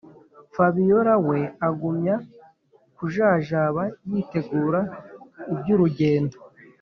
fabiora we agumya kujajaba yitegura ibyurugendo